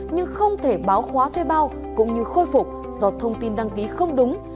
nhưng không thể báo khóa thuê bao cũng như khôi phục do thông tin đăng ký không đúng